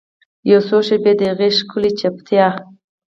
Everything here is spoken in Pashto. یوڅو شیبې د هغې ښکلې چوپتیا